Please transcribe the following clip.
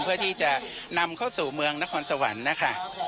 เพื่อที่จะนำเข้าสู่เมืองนครสวรรค์นะคะ